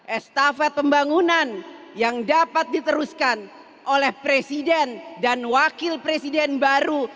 estafet pembangunan yang dapat diteruskan oleh presiden dan wakil presiden baru